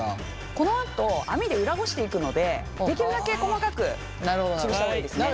このあと網で裏ごしていくのでできるだけ細かくつぶした方がいいですね。